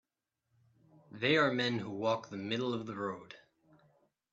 They are men who walk the middle of the road.